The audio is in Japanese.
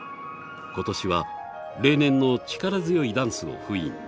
今年は例年の力強いダンスを封印。